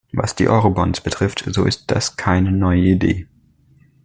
Was die Eurobonds betrifft, so ist das keine neue Idee.